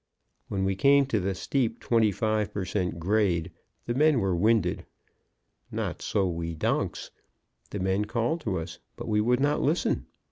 When we came to the steep 25 per cent. grade the men were winded; not so we donks. The men called to us, but we would not listen.